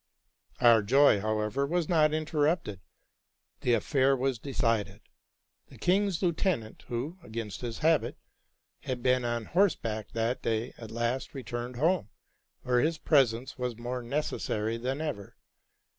Our joy, however, was not interrupted ; the affair was decided: the king's lieutenant, who, against his habit, had been on horseback that day, at last returned home, where his presence was more necessary than ever.